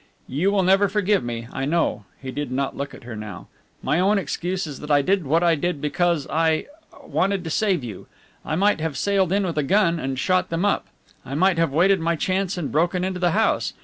"You will never forgive me, I know." He did not look at her now. "My own excuse is that I did what I did because I wanted to save you. I might have sailed in with a gun and shot them up. I might have waited my chance and broken into the house.